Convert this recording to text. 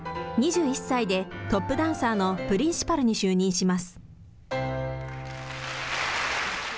２１歳でトップダンサーのプリンシパルに就任します。